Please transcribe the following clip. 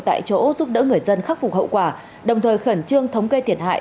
tại chỗ giúp đỡ người dân khắc phục hậu quả đồng thời khẩn trương thống kê thiệt hại